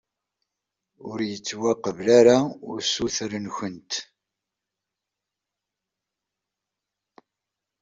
Ur yettwaqbel ara usuter-nkent.